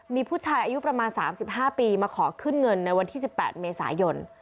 มีผู้ชายอายุประมาณ๓๕ปีมาขอขึ้นเงินในวันที่๑๘เมษายน